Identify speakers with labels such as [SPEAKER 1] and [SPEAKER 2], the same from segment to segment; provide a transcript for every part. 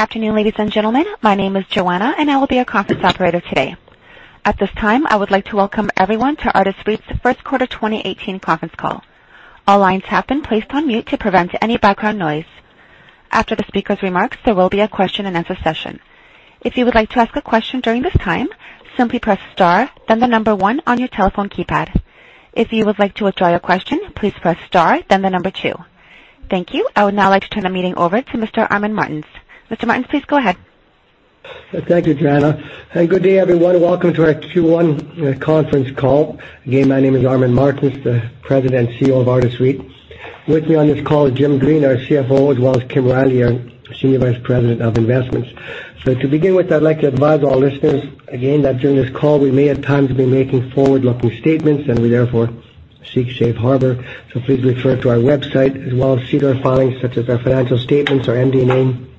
[SPEAKER 1] Good afternoon, ladies and gentlemen. My name is Joanna, and I will be your conference operator today. At this time, I would like to welcome everyone to Artis REIT's first quarter 2018 conference call. All lines have been placed on mute to prevent any background noise. After the speaker's remarks, there will be a question and answer session. If you would like to ask a question during this time, simply press star then the number one on your telephone keypad. If you would like to withdraw your question, please press star then the number two. Thank you. I would now like to turn the meeting over to Mr. Armin Martens. Mr. Martens, please go ahead.
[SPEAKER 2] Thank you, Joanna. Good day everyone. Welcome to our Q1 conference call. Again, my name is Armin Martens, the President and Chief Executive Officer of Artis REIT. With me on this call is Jim Green, our Chief Financial Officer, as well as Kim Riley, our Senior Vice President of Investments. To begin with, I'd like to advise all listeners again that during this call we may at times be making forward-looking statements, and we therefore seek safe harbor. Please refer to our website as well as see our filings such as our financial statements, our MD&A,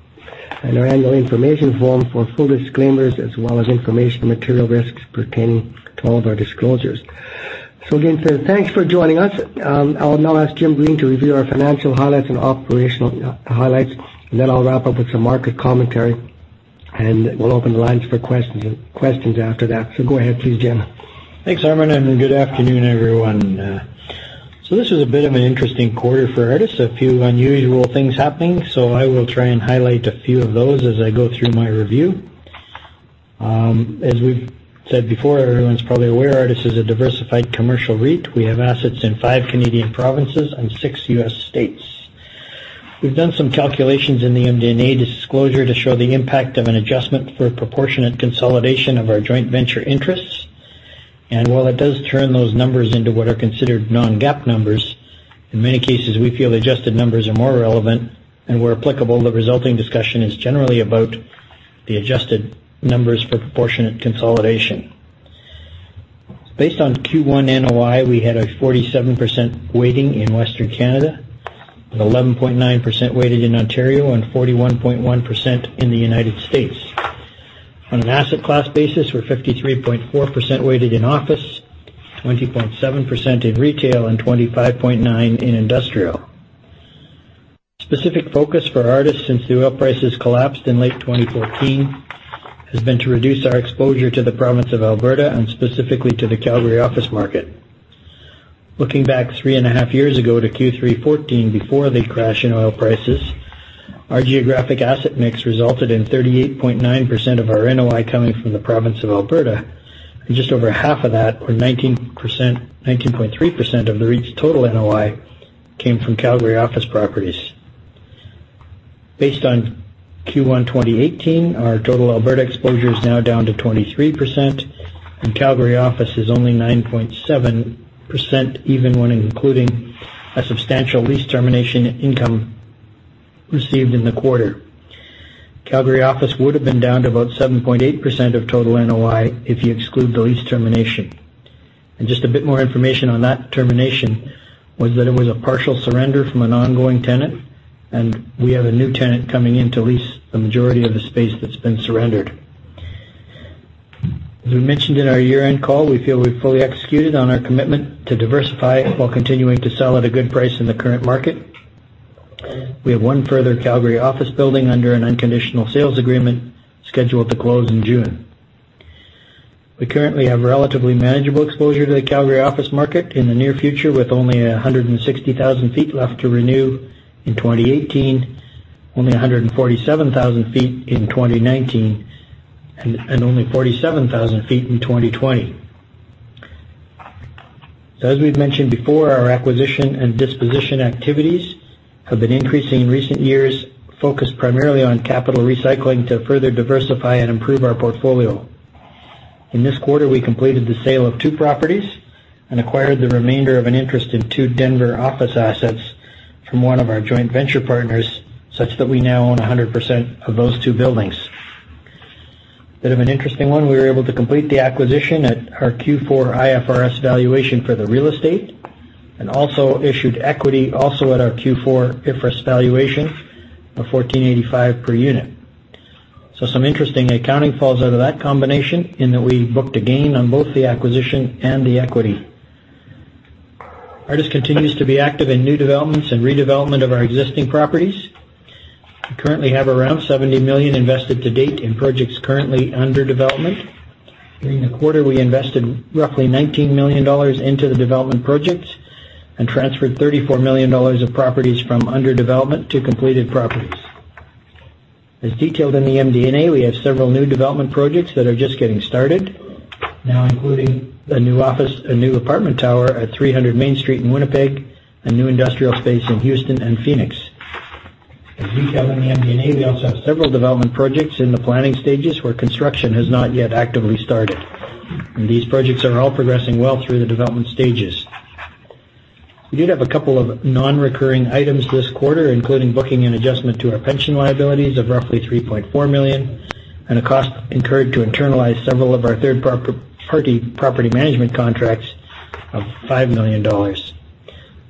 [SPEAKER 2] and our annual information form for full disclaimers as well as information on material risks pertaining to all of our disclosures. Again, thanks for joining us. I'll now ask Jim Green to review our financial highlights and operational highlights, and then I'll wrap up with some market commentary, and we'll open the lines for questions after that. Go ahead please, Jim.
[SPEAKER 3] Thanks, Armin. Good afternoon, everyone. This was a bit of an interesting quarter for Artis. A few unusual things happening. I will try and highlight a few of those as I go through my review. As we've said before, everyone's probably aware Artis is a diversified commercial REIT. We have assets in five Canadian provinces and six U.S. states. We've done some calculations in the MD&A disclosure to show the impact of an adjustment for proportionate consolidation of our joint venture interests. While it does turn those numbers into what are considered non-GAAP numbers, in many cases, we feel the adjusted numbers are more relevant, and where applicable, the resulting discussion is generally about the adjusted numbers for proportionate consolidation. Based on Q1 NOI, we had a 47% weighting in Western Canada, an 11.9% weighted in Ontario, and 41.1% in the U.S. On an asset class basis, we're 53.4% weighted in office, 20.7% in retail, and 25.9% in industrial. Specific focus for Artis since the oil prices collapsed in late 2014 has been to reduce our exposure to the province of Alberta and specifically to the Calgary office market. Looking back three and a half years ago to Q3 2014 before the crash in oil prices, our geographic asset mix resulted in 38.9% of our NOI coming from the province of Alberta, and just over half of that, or 19.3% of the REIT's total NOI, came from Calgary office properties. Based on Q1 2018, our total Alberta exposure is now down to 23%, and Calgary office is only 9.7%, even when including a substantial lease termination income received in the quarter. Calgary office would have been down to about 7.8% of total NOI if you exclude the lease termination. Just a bit more information on that termination was that it was a partial surrender from an ongoing tenant, and we have a new tenant coming in to lease the majority of the space that's been surrendered. As we mentioned in our year-end call, we feel we've fully executed on our commitment to diversify while continuing to sell at a good price in the current market. We have one further Calgary office building under an unconditional sales agreement scheduled to close in June. We currently have relatively manageable exposure to the Calgary office market in the near future, with only 160,000 sq ft left to renew in 2018, only 147,000 sq ft in 2019, and only 47,000 sq ft in 2020. As we've mentioned before, our acquisition and disposition activities have been increasing in recent years, focused primarily on capital recycling to further diversify and improve our portfolio. In this quarter, we completed the sale of two properties and acquired the remainder of an interest in two Denver office assets from one of our joint venture partners, such that we now own 100% of those two buildings. A bit of an interesting one, we were able to complete the acquisition at our Q4 IFRS valuation for the real estate, and also issued equity also at our Q4 IFRS valuation of 14.85 per unit. Some interesting accounting falls out of that combination in that we booked a gain on both the acquisition and the equity. Artis continues to be active in new developments and redevelopment of our existing properties. We currently have around 70 million invested to date in projects currently under development. During the quarter, we invested roughly 19 million dollars into the development projects and transferred 34 million dollars of properties from under development to completed properties. As detailed in the MD&A, we have several new development projects that are just getting started now, including a new apartment tower at 300 Main Street in Winnipeg, a new industrial space in Houston and Phoenix. As we detailed in the MD&A, we also have several development projects in the planning stages where construction has not yet actively started. And these projects are all progressing well through the development stages. We did have a couple of non-recurring items this quarter, including booking an adjustment to our pension liabilities of roughly 3.4 million and a cost incurred to internalize several of our third-party property management contracts of 5 million dollars.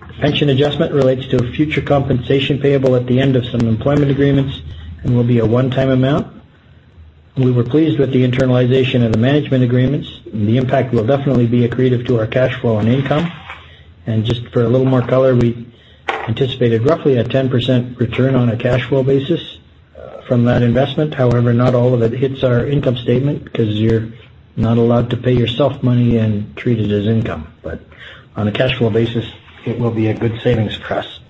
[SPEAKER 3] The pension adjustment relates to a future compensation payable at the end of some employment agreements and will be a one-time amount. We were pleased with the internalization of the management agreements. The impact will definitely be accretive to our cash flow and income. Just for a little more color, we anticipated roughly a 10% return on a cash flow basis from that investment. However, not all of it hits our income statement because you're not allowed to pay yourself money and treat it as income. On a cash flow basis, it will be a good savings trust.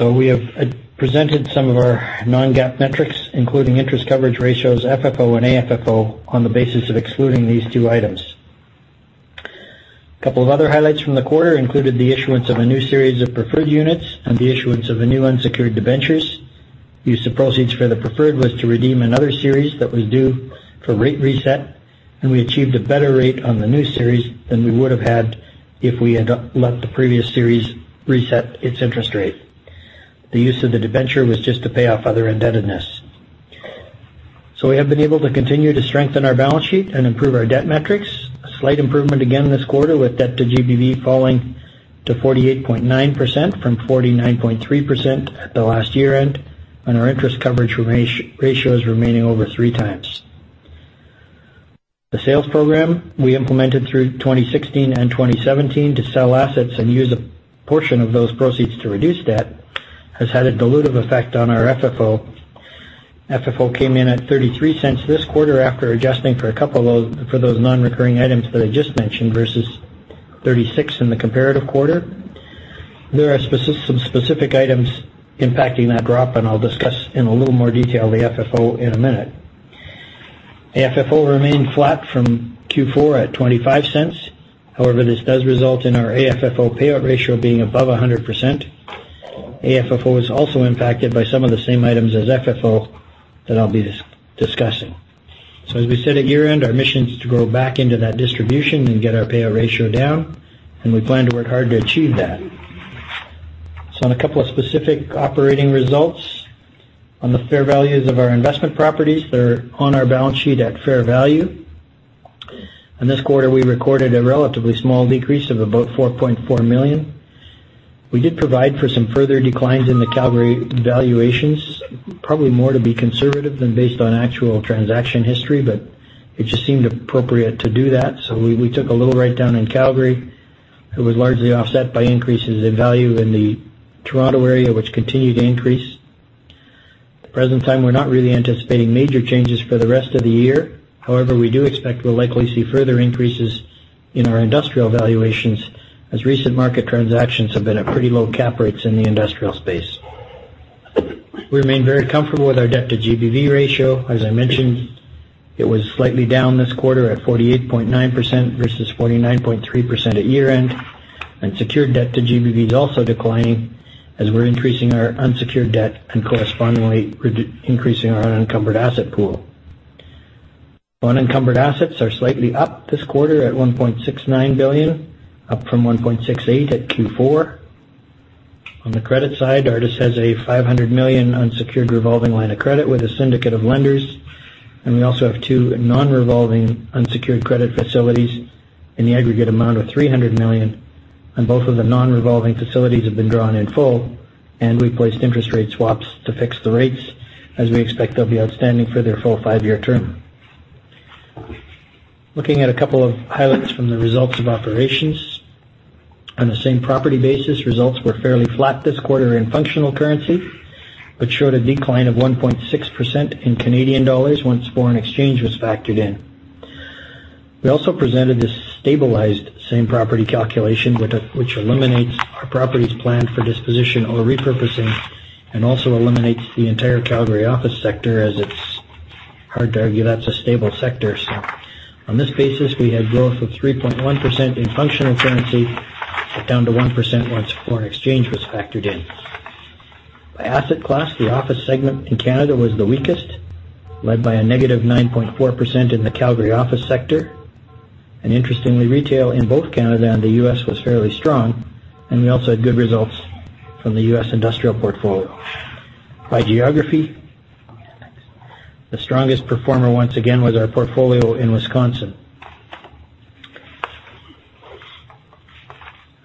[SPEAKER 3] We have presented some of our non-GAAP metrics, including interest coverage ratios, FFO and AFFO, on the basis of excluding these two items. Couple of other highlights from the quarter included the issuance of a new series of preferred units and the issuance of a new unsecured debentures. Use of proceeds for the preferred was to redeem another series that was due for rate reset, and we achieved a better rate on the new series than we would have had if we had let the previous series reset its interest rate. The use of the debenture was just to pay off other indebtedness. We have been able to continue to strengthen our balance sheet and improve our debt metrics. A slight improvement again this quarter, with debt to GBV falling to 48.9% from 49.3% at the last year-end, and our interest coverage ratio is remaining over three times. The sales program we implemented through 2016 and 2017 to sell assets and use a portion of those proceeds to reduce debt, has had a dilutive effect on our FFO. FFO came in at 0.33 this quarter after adjusting for those non-recurring items that I just mentioned, versus 0.36 in the comparative quarter. There are some specific items impacting that drop, and I'll discuss in a little more detail the FFO in a minute. AFFO remained flat from Q4 at 0.25. However, this does result in our AFFO payout ratio being above 100%. AFFO was also impacted by some of the same items as FFO that I'll be discussing. As we said at year-end, our mission is to go back into that distribution and get our payout ratio down. We plan to work hard to achieve that. On a couple of specific operating results. On the fair values of our investment properties that are on our balance sheet at fair value. This quarter, we recorded a relatively small decrease of about 4.4 million. We did provide for some further declines in the Calgary valuations, probably more to be conservative than based on actual transaction history, but it just seemed appropriate to do that. We took a little write-down in Calgary. It was largely offset by increases in value in the Toronto area, which continued to increase. At the present time, we're not really anticipating major changes for the rest of the year. However, we do expect we'll likely see further increases in our industrial valuations as recent market transactions have been at pretty low cap rates in the industrial space. We remain very comfortable with our debt to GBV ratio. As I mentioned, it was slightly down this quarter at 48.9% versus 49.3% at year-end. Secured debt to GBV is also declining as we're increasing our unsecured debt and correspondingly increasing our unencumbered asset pool. Unencumbered assets are slightly up this quarter at 1.69 billion, up from 1.68 billion at Q4. On the credit side, Artis has a 500 million unsecured revolving line of credit with a syndicate of lenders, we also have two non-revolving unsecured credit facilities in the aggregate amount of 300 million. Both of the non-revolving facilities have been drawn in full, we placed interest rate swaps to fix the rates, as we expect they'll be outstanding for their full 5-year term. Looking at a couple of highlights from the results of operations. On the same property basis, results were fairly flat this quarter in functional currency, but showed a decline of 1.6% in Canadian dollars once foreign exchange was factored in. We also presented this stabilized same-property calculation, which eliminates our properties planned for disposition or repurposing and also eliminates the entire Calgary office sector, as it's hard to argue that's a stable sector. On this basis, we had growth of 3.1% in functional currency, but down to 1% once foreign exchange was factored in. By asset class, the office segment in Canada was the weakest, led by a negative 9.4% in the Calgary office sector. Interestingly, retail in both Canada and the U.S. was fairly strong, we also had good results from the U.S. industrial portfolio. By geography, the strongest performer once again was our portfolio in Wisconsin.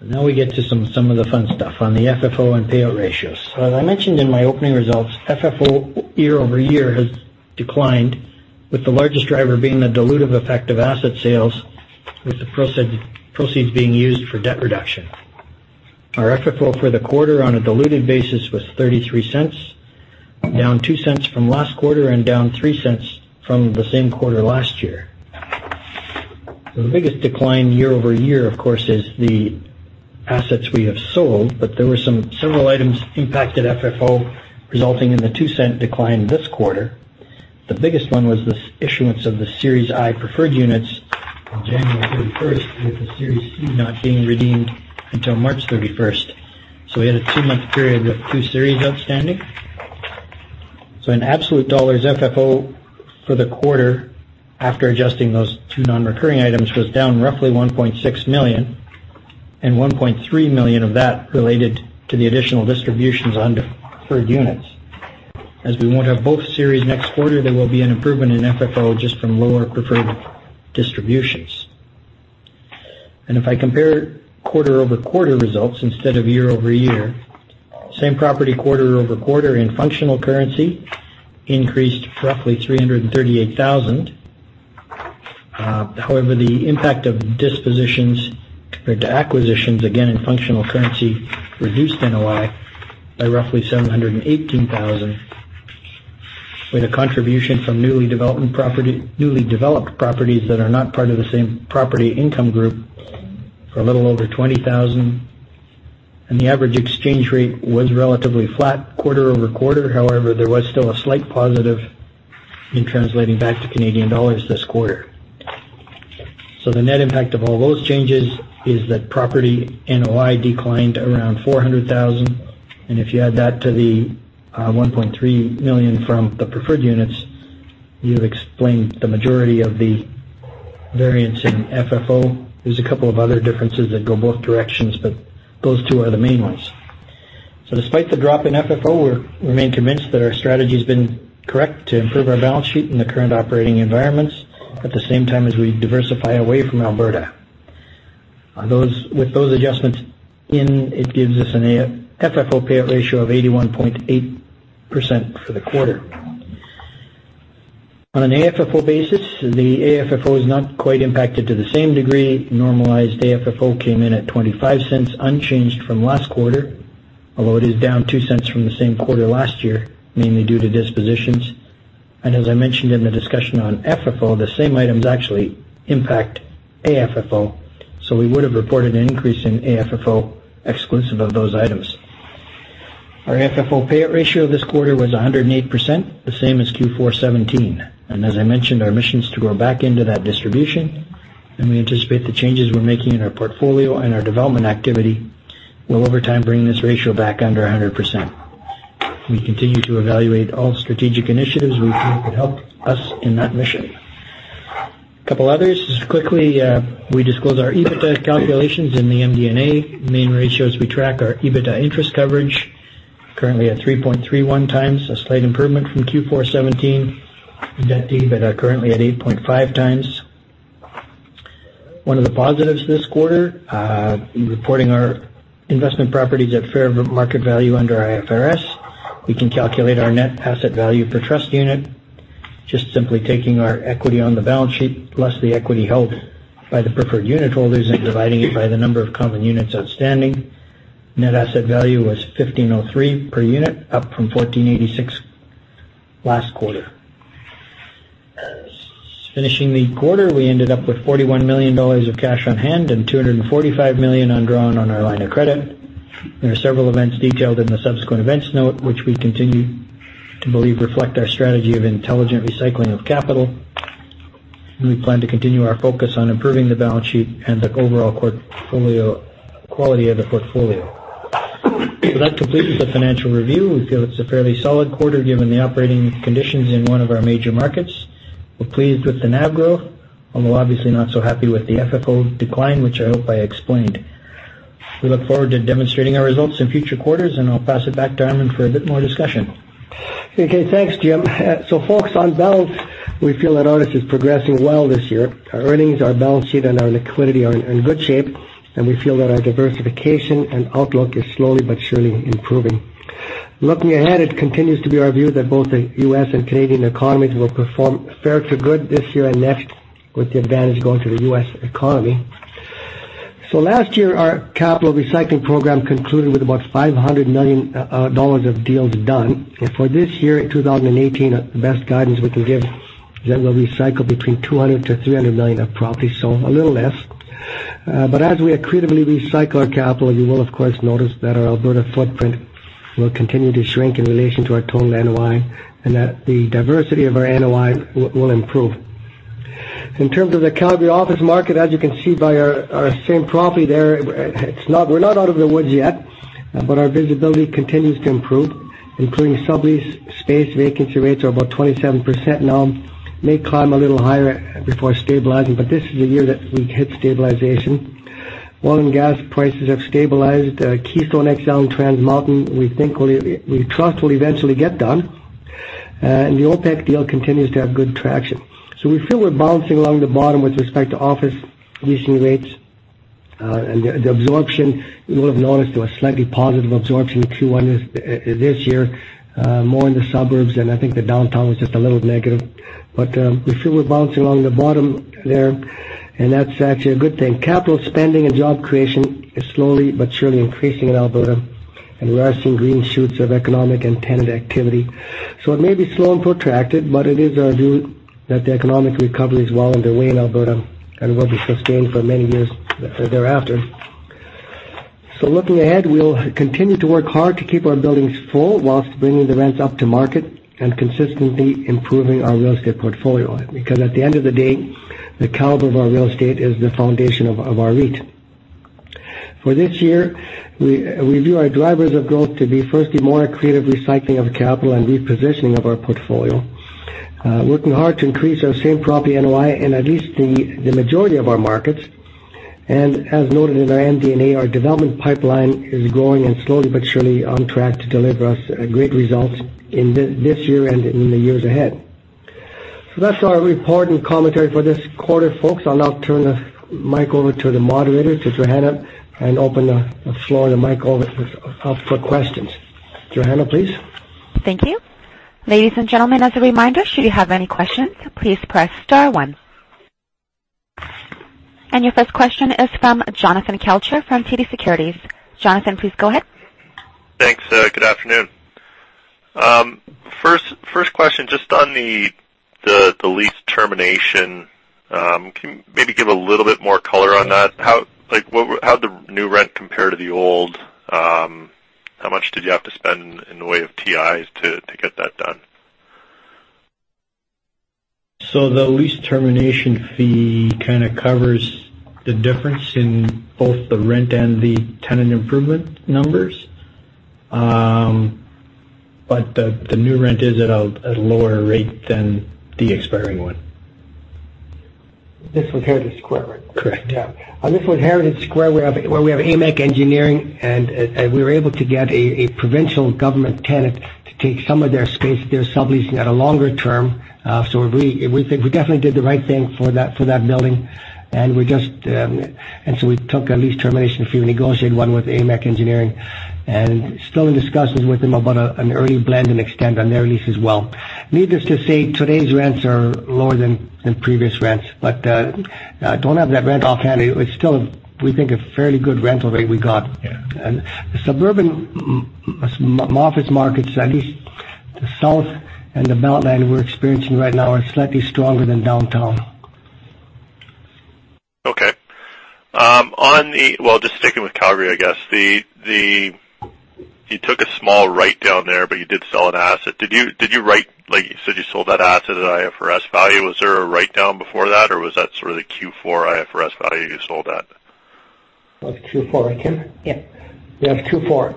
[SPEAKER 3] We get to some of the fun stuff on the FFO and payout ratios. As I mentioned in my opening results, FFO year-over-year has declined, with the largest driver being the dilutive effect of asset sales, with the proceeds being used for debt reduction. Our FFO for the quarter on a diluted basis was 0.33, down 0.02 from last quarter and down 0.03 from the same quarter last year. The biggest decline year-over-year, of course, is the assets we have sold, there were several items impacted FFO, resulting in the 0.02 decline this quarter. The biggest one was the issuance of the Series I preferred units on January 31st, with the Series C not being redeemed until March 31st. We had a 2-month period with 2 series outstanding. In absolute dollars, FFO for the quarter after adjusting those 2 non-recurring items, was down roughly 1.6 million, and 1.3 million of that related to the additional distributions on the preferred units. As we won't have both series next quarter, there will be an improvement in FFO just from lower preferred distributions. If I compare quarter-over-quarter results instead of year-over-year, same-property quarter-over-quarter in functional currency increased roughly 338,000. However, the impact of dispositions compared to acquisitions, again, in functional currency, reduced NOI by roughly 718,000, with a contribution from newly developed properties that are not part of the same property income group for a little over 20,000. The average exchange rate was relatively flat quarter-over-quarter. However, there was still a slight positive in translating back to Canadian dollars this quarter. The net impact of all those changes is that property NOI declined around 400,000. If you add that to the 1.3 million from the preferred units, you've explained the majority of the variance in FFO. There's a couple of other differences that go both directions, but those two are the main ones. Despite the drop in FFO, we remain convinced that our strategy's been correct to improve our balance sheet in the current operating environments, at the same time as we diversify away from Alberta. With those adjustments in, it gives us an FFO payout ratio of 81.8% for the quarter. On an AFFO basis, the AFFO is not quite impacted to the same degree. Normalized AFFO came in at 0.25, unchanged from last quarter, although it is down 0.02 from the same quarter last year, mainly due to dispositions. As I mentioned in the discussion on FFO, the same items actually impact AFFO, so we would have reported an increase in AFFO exclusive of those items. Our FFO payout ratio this quarter was 108%, the same as Q4 2017. As I mentioned, our mission is to go back into that distribution, and we anticipate the changes we're making in our portfolio and our development activity will, over time, bring this ratio back under 100%. We continue to evaluate all strategic initiatives we feel could help us in that mission. Couple others, just quickly, we disclose our EBITDA calculations in the MD&A. Main ratios we track are EBITDA interest coverage, currently at 3.31 times, a slight improvement from Q4 2017. Debt-to-EBITDA currently at 8.5 times. One of the positives this quarter, in reporting our investment properties at fair market value under IFRS, we can calculate our net asset value per trust unit. Just simply taking our equity on the balance sheet, plus the equity held by the preferred unit holders and dividing it by the number of common units outstanding. Net asset value was 15.03 per unit, up from 14.86 last quarter. Finishing the quarter, we ended up with 41 million dollars of cash on hand and 245 million undrawn on our line of credit. There are several events detailed in the subsequent events note, which we continue to believe reflect our strategy of intelligent recycling of capital. We plan to continue our focus on improving the balance sheet and the overall quality of the portfolio. That completes the financial review. We feel it's a fairly solid quarter given the operating conditions in one of our major markets. We're pleased with the NAV growth, although obviously not so happy with the FFO decline, which I hope I explained. We look forward to demonstrating our results in future quarters, and I'll pass it back to Armin for a bit more discussion.
[SPEAKER 2] Okay, thanks, Jim. Folks, on balance, we feel that Artis is progressing well this year. Our earnings, our balance sheet, and our liquidity are in good shape, and we feel that our diversification and outlook is slowly but surely improving. Looking ahead, it continues to be our view that both the U.S. and Canadian economies will perform fair to good this year and next, with the advantage going to the U.S. economy. Last year, our capital recycling program concluded with about 500 million dollars of deals done. For this year, in 2018, the best guidance we can give is that we'll recycle between 200 million to 300 million of property, so a little less. As we accretively recycle our capital, you will, of course, notice that our Alberta footprint will continue to shrink in relation to our total NOI, and that the diversity of our NOI will improve. In terms of the Calgary office market, as you can see by our same property there, we're not out of the woods yet, but our visibility continues to improve, including sublease space vacancy rates are about 27% now. May climb a little higher before stabilizing, but this is the year that we hit stabilization. Oil and gas prices have stabilized. Keystone XL and Trans Mountain, we trust will eventually get done. The OPEC deal continues to have good traction. We feel we're bouncing along the bottom with respect to office leasing rates. The absorption, you will have noticed there was slightly positive absorption in Q1 this year, more in the suburbs, and I think the downtown was just a little negative. We feel we're bouncing along the bottom there, and that's actually a good thing. Capital spending and job creation is slowly but surely increasing in Alberta, and we are seeing green shoots of economic and tenant activity. It may be slow and protracted, but it is our view that the economic recovery is well underway in Alberta and will be sustained for many years thereafter. Looking ahead, we'll continue to work hard to keep our buildings full whilst bringing the rents up to market and consistently improving our real estate portfolio. Because at the end of the day, the caliber of our real estate is the foundation of our REIT. For this year, we view our drivers of growth to be, firstly, more accretive recycling of capital and repositioning of our portfolio. Working hard to increase our same-property NOI in at least the majority of our markets. As noted in our MD&A, our development pipeline is growing and slowly but surely on track to deliver us great results in this year and in the years ahead. That's our report and commentary for this quarter, folks. I'll now turn the mic over to the moderator, to Joanna, and open the floor, the mic up for questions. Joanna, please.
[SPEAKER 1] Thank you. Ladies and gentlemen, as a reminder, should you have any questions, please press star one. Your first question is from Jonathan Kelcher from TD Securities. Jonathan, please go ahead.
[SPEAKER 4] Thanks. Good afternoon. First question, just on the lease termination, can you maybe give a little bit more color on that? How'd the new rent compare to the old? How much did you have to spend in the way of TIs to get that done?
[SPEAKER 3] The lease termination fee kind of covers the difference in both the rent and the tenant improvement numbers. The new rent is at a lower rate than the expiring one.
[SPEAKER 2] This was Heritage Square, right?
[SPEAKER 3] Correct.
[SPEAKER 2] Yeah. On this one, Heritage Square, where we have Amec Engineering, and we were able to get a provincial government tenant to take some of their space. They're subleasing at a longer term. We think we definitely did the right thing for that building. We took a lease termination fee. We negotiated one with Amec Engineering and still in discussions with them about an early blend and extend on their lease as well. Needless to say, today's rents are lower than previous rents, but I don't have that rent offhand. It's still, we think, a fairly good rental rate we got.
[SPEAKER 3] Yeah.
[SPEAKER 2] The suburban office markets at East South and the [inaudible] we're experiencing right now are slightly stronger than Downtown.
[SPEAKER 4] Okay. Well, just sticking with Calgary, I guess. You took a small write-down there, but you did sell an asset. You said you sold that asset at IFRS value. Was there a write-down before that, or was that sort of the Q4 IFRS value you sold at?
[SPEAKER 2] That was Q4. Right, Jim?
[SPEAKER 3] Yeah.
[SPEAKER 2] Yeah, it's Q4.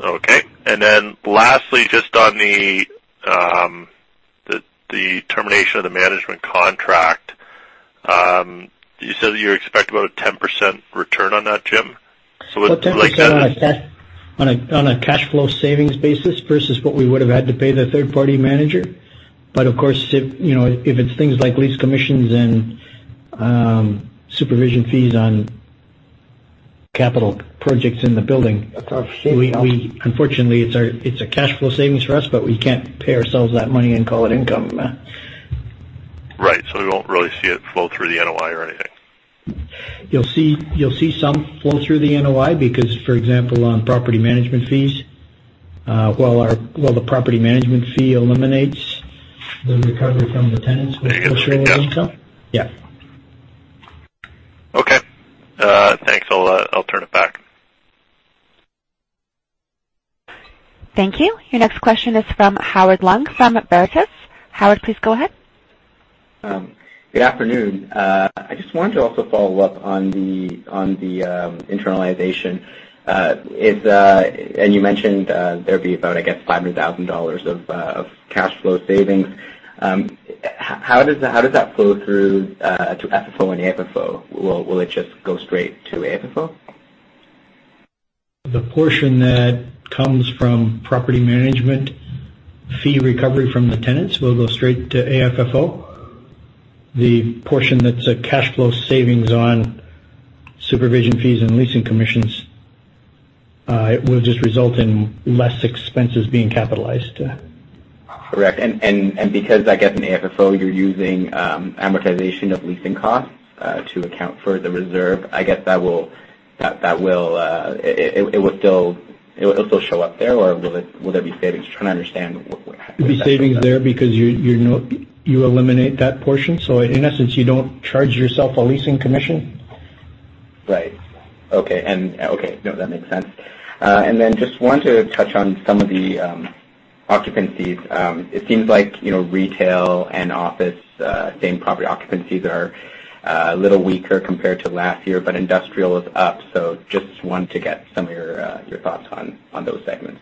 [SPEAKER 4] Okay. Then lastly, just on the termination of the management contract, you said that you expect about a 10% return on that, Jim?
[SPEAKER 3] About 10% on a cash flow savings basis versus what we would've had to pay the third-party manager. Of course, if it's things like lease commissions and supervision fees on capital projects in the building.
[SPEAKER 2] That's our savings.
[SPEAKER 3] Unfortunately, it's a cash flow savings for us, we can't pay ourselves that money and call it income.
[SPEAKER 4] Right. We won't really see it flow through the NOI or anything.
[SPEAKER 3] You'll see some flow through the NOI because, for example, on property management fees, while the property management fee eliminates.
[SPEAKER 2] The recovery from the tenants, which goes straight into income.
[SPEAKER 3] Yeah.
[SPEAKER 4] Okay. Thanks. I'll turn it back.
[SPEAKER 1] Thank you. Your next question is from Howard Leung from Veritas. Howard, please go ahead.
[SPEAKER 5] Good afternoon. I just wanted to also follow up on the internalization. You mentioned there'd be about, I guess, 500,000 dollars of cash flow savings. How does that flow through to FFO and AFFO? Will it just go straight to AFFO?
[SPEAKER 3] The portion that comes from property management fee recovery from the tenants will go straight to AFFO. The portion that's a cash flow savings on supervision fees and leasing commissions, it will just result in less expenses being capitalized.
[SPEAKER 5] Correct. Because, I guess, in AFFO, you're using amortization of leasing costs to account for the reserve, I guess it will still show up there, or will there be savings? Trying to understand how that works out.
[SPEAKER 3] There'll be savings there because you eliminate that portion. In essence, you don't charge yourself a leasing commission.
[SPEAKER 5] Right. Okay. No, that makes sense. Then just wanted to touch on some of the occupancies. It seems like, retail and office, same property occupancies are a little weaker compared to last year, industrial is up. Just wanted to get some of your thoughts on those segments.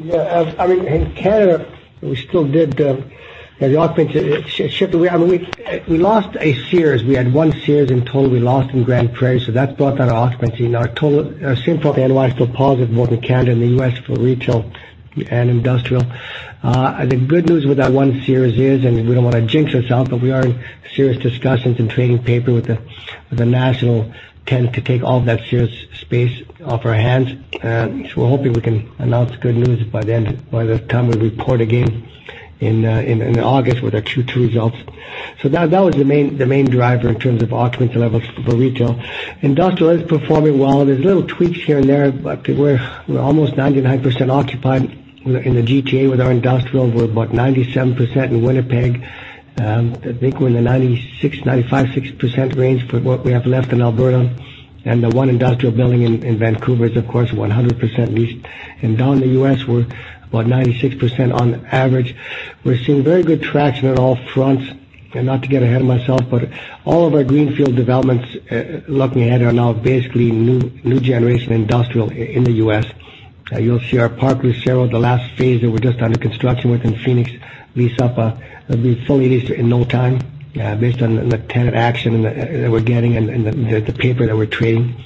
[SPEAKER 2] Yeah. In Canada, we lost a Sears. We had one Sears in total. We lost in Grande Prairie, that brought that occupancy. Our same property NOI is still positive both in Canada and the U.S. for retail and industrial. The good news with that one Sears is, we don't want to jinx ourselves, we are in serious discussions and trading paper with a national tenant to take all that Sears space off our hands. We're hoping we can announce good news by the time we report again in August with our Q2 results. That was the main driver in terms of occupancy levels for retail. Industrial is performing well. There's little tweaks here and there, we're almost 99% occupied in the GTA with our industrial. We're about 97% in Winnipeg. I think we're in the 95%-96% range for what we have left in Alberta. The one industrial building in Vancouver is, of course, 100% leased. Down in the U.S., we're about 96% on average. We're seeing very good traction on all fronts. Not to get ahead of myself, but all of our greenfield developments looking ahead are now basically new generation industrial in the U.S. You'll see our Park Lucero, the last phase that we're just under construction with in Phoenix, will be fully leased in no time based on the tenant action that we're getting and the paper that we're trading.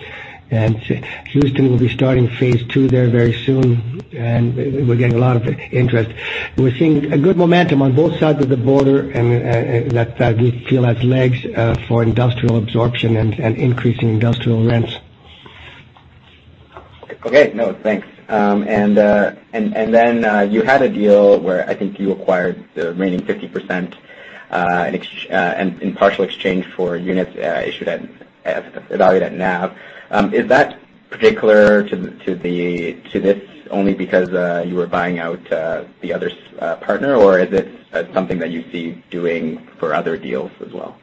[SPEAKER 2] Houston will be starting phase 2 there very soon, and we're getting a lot of interest. We're seeing a good momentum on both sides of the border, and that we feel has legs for industrial absorption and increasing industrial rents.
[SPEAKER 5] Okay. No, thanks. You had a deal where I think you acquired the remaining 50% in partial exchange for units issued at, evaluated at NAV. Is that particular to this only because you were buying out the other partner, or is it something that you see doing for other deals as well?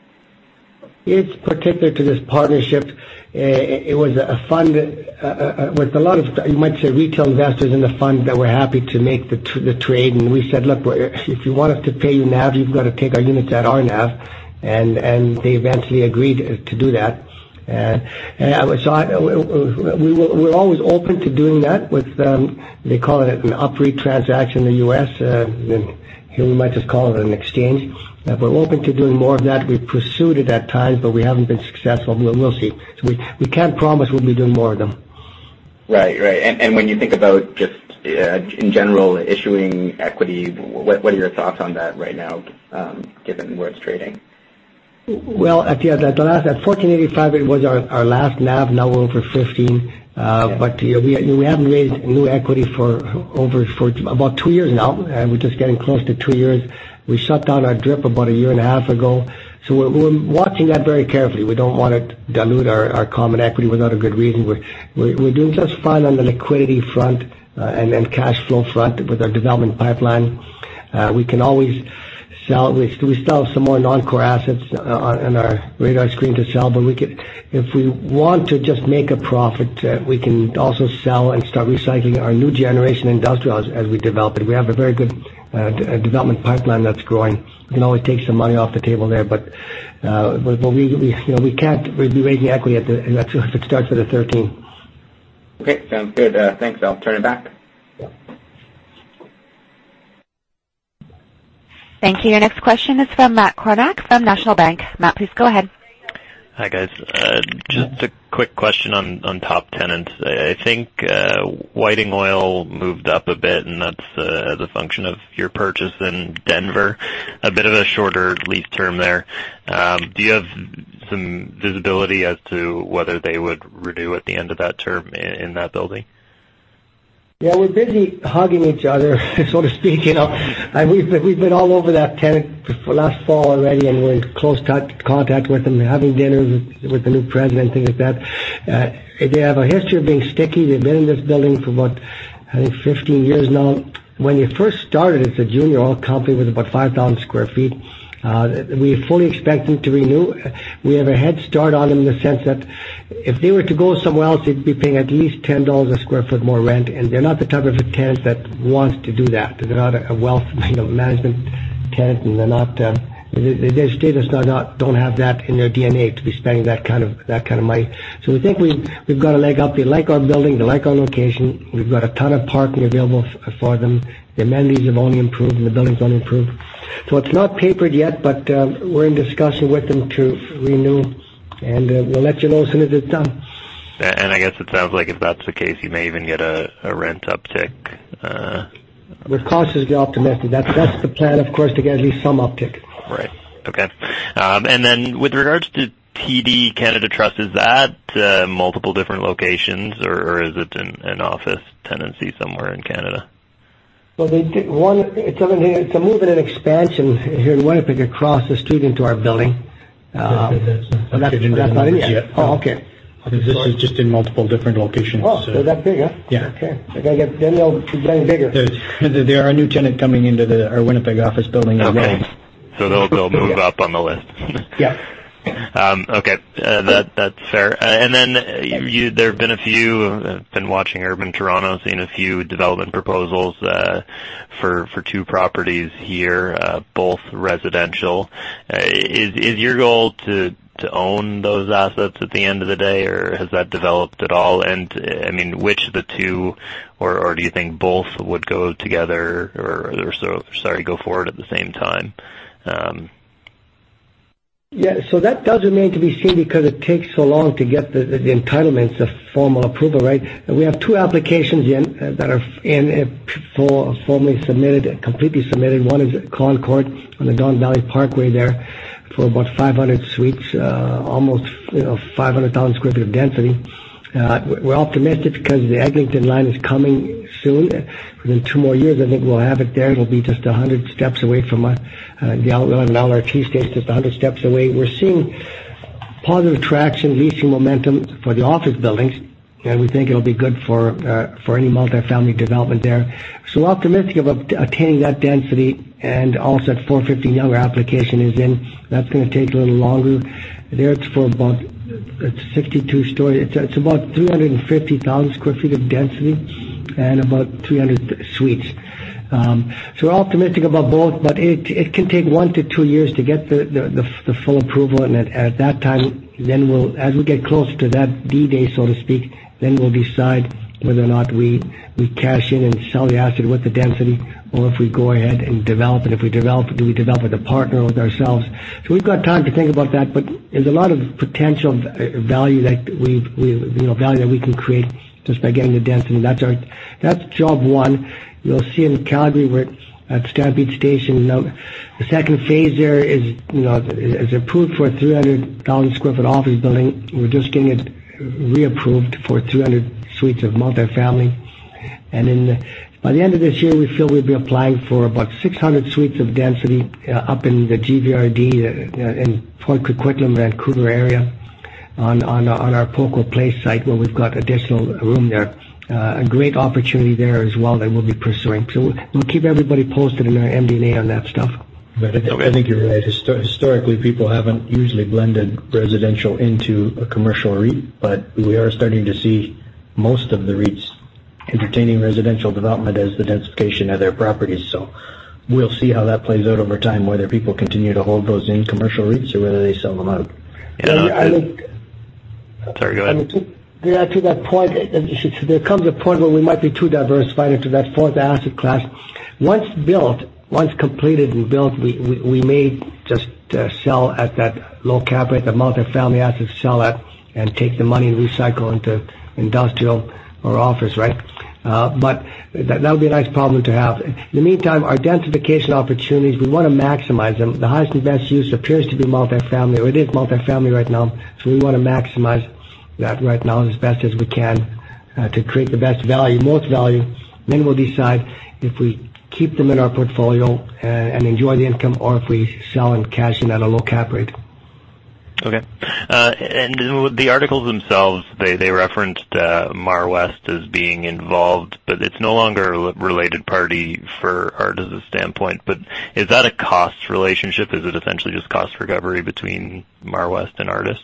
[SPEAKER 2] It's particular to this partnership. It was a fund with a lot of, you might say, retail investors in the fund that were happy to make the trade. We said, "Look, if you want us to pay you NAV, you've got to take our units at our NAV." They eventually agreed to do that. We're always open to doing that with, they call it an UPREIT transaction in the U.S. Here, we might just call it an exchange. We're open to doing more of that. We've pursued it at times, but we haven't been successful, but we'll see. We can't promise we'll be doing more of them.
[SPEAKER 5] Right. When you think about just, in general, issuing equity, what are your thoughts on that right now, given where it's trading?
[SPEAKER 2] Well, at the other, don't ask. At CAD 14.85, it was our last NAV. Now we're over 15. We haven't raised new equity for about 2 years now. We're just getting close to 2 years. We shut down our DRIP about a year and a half ago. We're watching that very carefully. We don't want to dilute our common equity without a good reason. We're doing just fine on the liquidity front and cash flow front with our development pipeline. We can always sell. We still have some more non-core assets on our radar screen to sell, if we want to just make a profit, we can also sell and start recycling our new generation industrial as we develop it. We have a very good development pipeline that's growing. We can always take some money off the table there. We can't be raising equity at the If it starts at a 13.
[SPEAKER 5] Okay, sounds good. Thanks. I'll turn it back.
[SPEAKER 1] Thank you. Your next question is from Matt Kornack from National Bank Financial. Matt, please go ahead.
[SPEAKER 6] Hi, guys. Just a quick question on top tenants. I think Whiting Petroleum moved up a bit, and that's as a function of your purchase in Denver. A bit of a shorter lease term there. Do you have some visibility as to whether they would renew at the end of that term in that building?
[SPEAKER 2] Yeah, we're busy hugging each other, so to speak. We've been all over that tenant last fall already. We're in close contact with them, having dinners with the new president, things like that. They have a history of being sticky. They've been in this building for about, I think, 15 years now. When they first started as a junior oil company with about 5,000 sq ft. We fully expect them to renew. We have a head start on them in the sense that if they were to go somewhere else, they'd be paying at least 10 dollars a sq ft more rent. They're not the type of a tenant that wants to do that. They're not a wealth management tenant. They just don't have that in their DNA to be spending that kind of money. We think we've got a leg up. They like our building. They like our location. We've got a ton of parking available for them. The amenities have only improved. The building's only improved. It's not papered yet, but we're in discussion with them to renew. We'll let you know as soon as it's done.
[SPEAKER 6] I guess it sounds like if that's the case, you may even get a rent uptick.
[SPEAKER 2] We're cautiously optimistic. That's the plan, of course, to get at least some uptick.
[SPEAKER 6] Right. Okay. With regards to TD Canada Trust, is that multiple different locations, or is it an office tenancy somewhere in Canada?
[SPEAKER 2] Well, it's a move and an expansion here in Winnipeg across the street into our building.
[SPEAKER 3] That's not in yet.
[SPEAKER 2] Oh, okay.
[SPEAKER 3] This is just in multiple different locations.
[SPEAKER 2] Oh, they're that big, huh?
[SPEAKER 3] Yeah.
[SPEAKER 2] Okay. They're going to get bigger.
[SPEAKER 3] They are a new tenant coming into our Winnipeg office building as well.
[SPEAKER 6] They'll move up on the list.
[SPEAKER 2] Yeah.
[SPEAKER 6] That's fair. There have been a few I've been watching UrbanToronto, seen a few development proposals for two properties here, both residential. Is your goal to own those assets at the end of the day, or has that developed at all? I mean, which of the two, or do you think both would go together or, sorry, go forward at the same time?
[SPEAKER 2] That doesn't need to be seen because it takes so long to get the entitlements of formal approval, right? We have two applications in that are in for formally submitted, completely submitted. One is at Concord on the Don Valley Parkway there for about 500 suites, almost 500,000 sq ft of density. We're optimistic because the Eglinton line is coming soon. Within two more years, I think we'll have it there. It'll be just 100 steps away from the LRT station, just 100 steps away. We're seeing positive traction, leasing momentum for the office buildings, and we think it'll be good for any multi-family development there. Optimistic about attaining that density and also at 450 Yonge, our application is in. That's going to take a little longer. There, it's for about 62 stories. It's about 350,000 sq ft of density and about 300 suites. We're optimistic about both, but it can take one to two years to get the full approval, and at that time, as we get close to that D-Day, so to speak. We'll decide whether or not we cash in and sell the asset with the density, or if we go ahead and develop it. If we develop it, do we develop with a partner or with ourselves? We've got time to think about that, but there's a lot of potential value that we can create just by getting the density. That's job one. You'll see in Calgary, we're at Stampede Station now. The second phase there is approved for a 300,000 sq ft office building. We're just getting it reapproved for 300 suites of multifamily. By the end of this year, we feel we'll be applying for about 600 suites of density up in the GVRD, in Port Coquitlam, Vancouver area on our Poco Place site where we've got additional room there. A great opportunity there as well that we'll be pursuing. We'll keep everybody posted in our MD&A on that stuff.
[SPEAKER 6] I think you're right. Historically, people haven't usually blended residential into a commercial REIT, but we are starting to see most of the REITs entertaining residential development as the densification of their properties. We'll see how that plays out over time, whether people continue to hold those in commercial REITs or whether they sell them out.
[SPEAKER 2] Yeah, I think.
[SPEAKER 6] Sorry, go ahead.
[SPEAKER 2] To that point, there comes a point where we might be too diversified into that fourth asset class. Once built, once completed and built, we may just sell at that low cap rate, the multifamily assets sell at, and take the money and recycle into industrial or office. That would be a nice problem to have. In the meantime, our densification opportunities, we want to maximize them. The highest and best use appears to be multifamily, or it is multifamily right now. We want to maximize that right now as best as we can to create the best value, most value. We'll decide if we keep them in our portfolio and enjoy the income or if we sell and cash in at a low cap rate.
[SPEAKER 6] Okay. The articles themselves, they referenced Marwest as being involved, but it's no longer a related party for Artis's standpoint. Is that a cost relationship? Is it essentially just cost recovery between Marwest and Artis?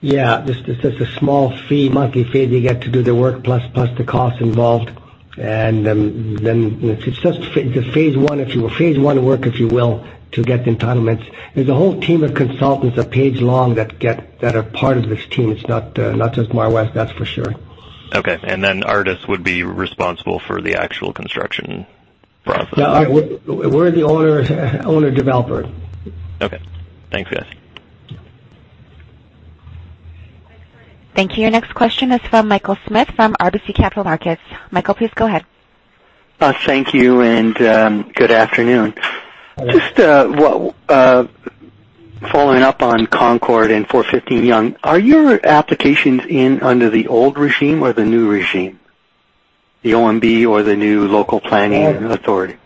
[SPEAKER 2] Yeah. It's just a small fee, monthly fee. They get to do their work plus the cost involved, it's just the phase one work, if you will, to get the entitlements. There's a whole team of consultants a page long that are part of this team. It's not just Marwest, that's for sure.
[SPEAKER 6] Okay. Artis would be responsible for the actual construction process.
[SPEAKER 2] We're the owner/developer.
[SPEAKER 6] Okay. Thanks, guys.
[SPEAKER 1] Thank you. Your next question is from Michael Smith from RBC Capital Markets. Michael, please go ahead.
[SPEAKER 7] Thank you, and good afternoon. Just following up on Concord and 415 Yonge. Are your applications in under the old regime or the new regime, the OMB or the new local planning authority?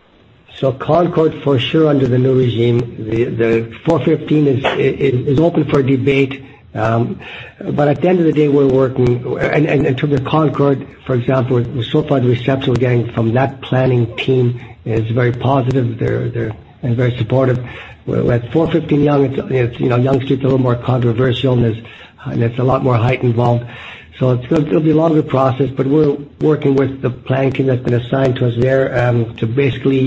[SPEAKER 2] Concord, for sure under the new regime. The 415 is open for debate. At the end of the day, we're working. In terms of Concord, for example, so far, the reception we're getting from that planning team is very positive. They're very supportive. With 415 Yonge Street's a little more controversial, and it's a lot more height involved. It'll be a longer process, but we're working with the planning team that's been assigned to us there to basically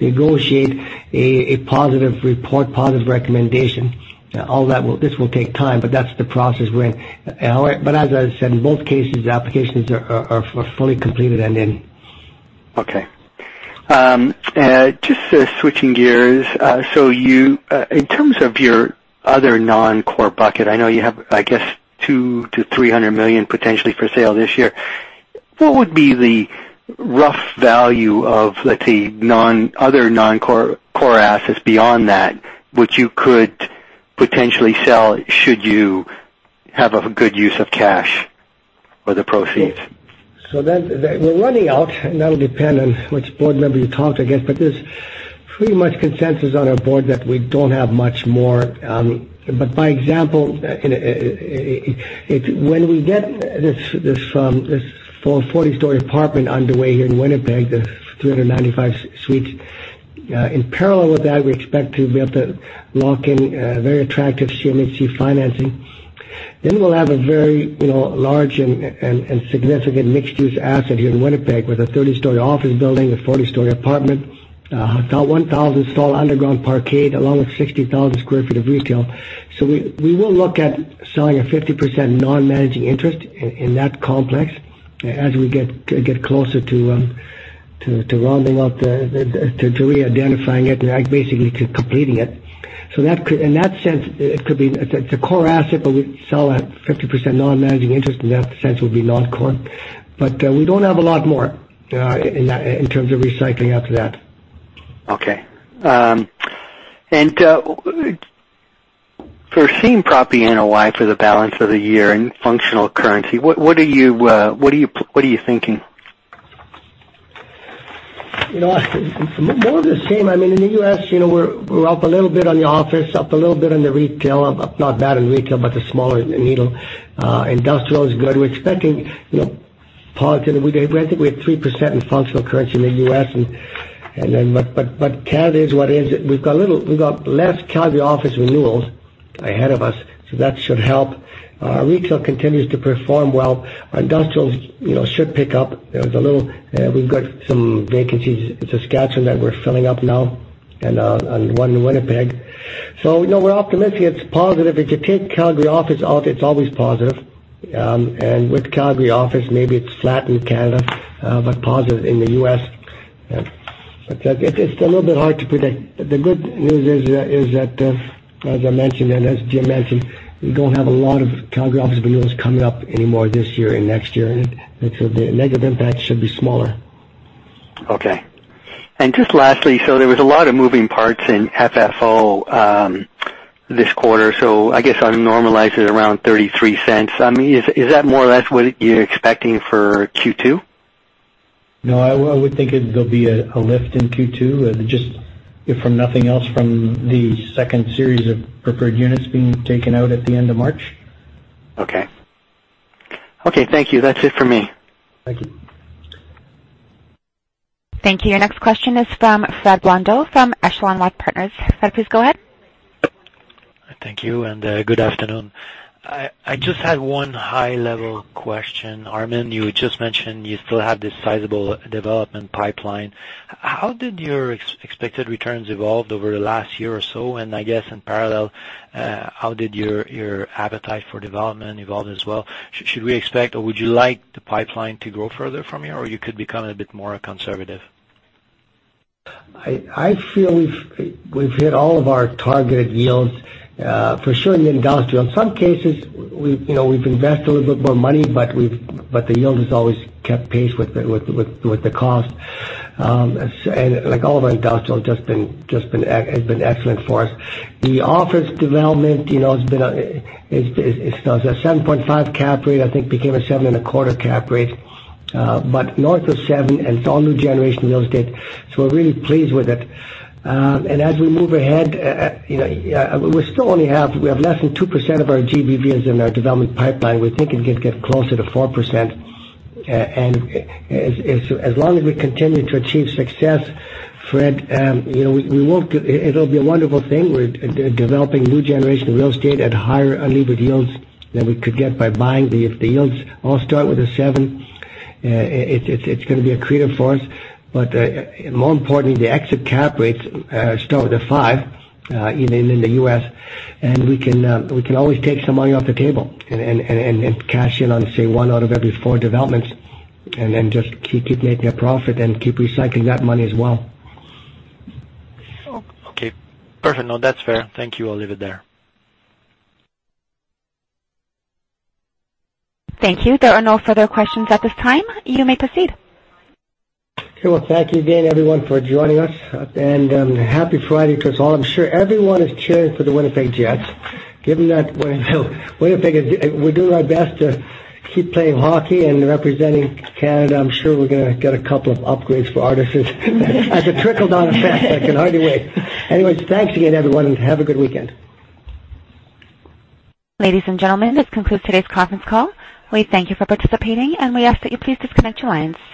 [SPEAKER 2] negotiate a positive report, positive recommendation. This will take time, but that's the process we're in. As I said, in both cases, the applications are fully completed and in.
[SPEAKER 7] Okay. Just switching gears. In terms of your other non-core bucket, I know you have, I guess, 200 million-300 million potentially for sale this year. What would be the rough value of, let's say, other non-core assets beyond that which you could potentially sell should you have a good use of cash for the proceeds?
[SPEAKER 2] We're running out, and that'll depend on which board member you talk to, I guess, but there's pretty much consensus on our board that we don't have much more. By example, when we get this full 40-story apartment underway here in Winnipeg, the 395 suites. In parallel with that, we expect to be able to lock in very attractive CMHC financing. We'll have a very large and significant mixed-use asset here in Winnipeg with a 30-story office building, a 40-story apartment, about 1,000 stall underground parkade, along with 60,000 square feet of retail. We will look at selling a 50% non-managing interest in that complex as we get closer to [reidentifying it and basically to completing it. In that sense, it's a core asset, but we sell at 50% non-managing interest, in that sense would be non-core. We don't have a lot more in terms of recycling after that.
[SPEAKER 7] Okay. For same property NOI for the balance of the year in functional currency, what are you thinking?
[SPEAKER 2] More of the same. In the U.S., we're up a little bit on the office, up a little bit on the retail. We're up not bad in retail, but the smaller needle. Industrial is good. We're expecting positive. I think we had 3% in functional currency in the U.S. Canada is what is. We've got less Calgary office renewals ahead of us, so that should help. Retail continues to perform well. Industrial should pick up. We've got some vacancies in Saskatchewan that we're filling up now. On one Winnipeg. We're optimistic. It's positive. If you take Calgary office out, it's always positive. With Calgary office, maybe it's flat in Canada, but positive in the U.S. It's a little bit hard to predict. The good news is that, as I mentioned, and as Jim mentioned, we don't have a lot of Calgary office renewals coming up anymore this year and next year. The negative impact should be smaller.
[SPEAKER 7] Okay. Just lastly, there was a lot of moving parts in FFO this quarter. I guess I'm normalizing around 0.33. Is that more or less what you're expecting for Q2?
[SPEAKER 3] No, I would think there'll be a lift in Q2, if from nothing else, from the second series of preferred units being taken out at the end of March.
[SPEAKER 7] Okay. Thank you. That's it for me.
[SPEAKER 3] Thank you.
[SPEAKER 1] Thank you. Your next question is from Fred Blondeau fromEchelon Wealth Partners. Fred, please go ahead.
[SPEAKER 8] Thank you, good afternoon. I just had one high-level question. Armin, you just mentioned you still have this sizable development pipeline. How did your expected returns evolve over the last year or so? I guess in parallel, how did your appetite for development evolve as well? Should we expect, or would you like the pipeline to grow further from here? You could become a bit more conservative?
[SPEAKER 2] I feel we've hit all of our targeted yields. For sure in industrial, in some cases, we've invested a little bit more money, but the yield has always kept pace with the cost. All of our industrial has been excellent for us. The office development has been a 7.5% cap rate, I think became a 7.25% cap rate. North of seven, it's all new generation real estate, so we're really pleased with it. As we move ahead, we still only have less than 2% of our GBVs in our development pipeline. We think it could get closer to 4%. As long as we continue to achieve success, Fred, it'll be a wonderful thing. We're developing new generation real estate at higher unlevered yields than we could get by buying the yields. All start with a seven. It's going to be accretive for us. More importantly, the exit cap rates start at a five in the U.S., we can always take some money off the table and cash in on, say, one out of every four developments, then just keep making a profit and keep recycling that money as well.
[SPEAKER 8] Okay, perfect. No, that's fair. Thank you. I'll leave it there.
[SPEAKER 1] Thank you. There are no further questions at this time. You may proceed.
[SPEAKER 2] Okay. Well, thank you again everyone for joining us. Happy Friday to us all. I'm sure everyone is cheering for the Winnipeg Jets. Given that Winnipeg we're doing our best to keep playing hockey and representing Canada. I'm sure we're going to get a couple of upgrades for Artis as a trickle-down effect. I can hardly wait. Anyways, thanks again, everyone, and have a good weekend.
[SPEAKER 1] Ladies and gentlemen, this concludes today's conference call. We thank you for participating, and we ask that you please disconnect your lines.